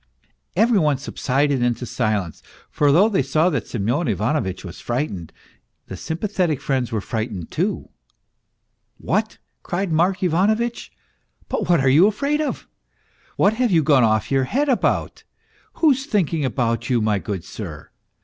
Every one subsided into silence, for though they saw that Semyon Ivanovitch was frightened, the sympathetic friends were frightened too. " What ?" cried Mark Ivanovitch; " but what are you afraid of ? What have you gone off your head about ? Who's thinking about you, my good sir?